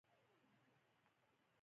بلې وسيلې تر دې وړاندې ناهيلی کړی و.